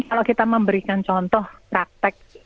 kalau kita memberikan contoh praktek